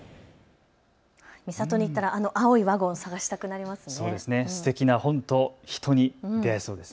三郷に行ったら青いワゴンを探したくなりますね。